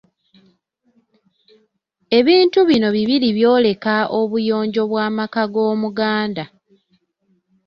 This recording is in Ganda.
Ebintu bino bibiri byoleka obuyonjo bw’amaka g’omuganda.